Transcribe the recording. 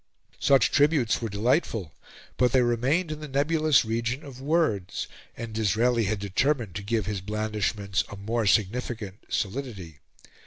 Such tributes were delightful, but they remained in the nebulous region of words, and Disraeli had determined to give his blandishments a more significant solidity.